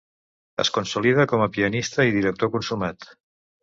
Es consolida com un pianista i director consumat.